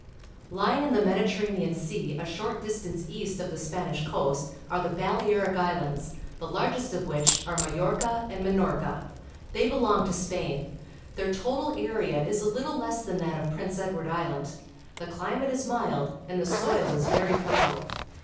Lying in the Mediterranean Sea a short distance east of the Spanish coast, are the Balearic Islands, the largest of which are Majorca and Minorca. They belong to Spain. Their total area is a Uttle less than that of Prince Edward Island. The climate is mild, and the soil is very fertile.